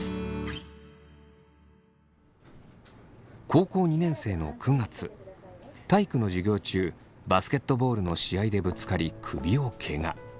高校２年生の９月体育の授業中バスケットボールの試合でぶつかり首をけが。